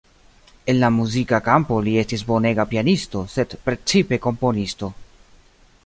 En la muzika kampo li estis bonega pianisto, sed precipe komponisto.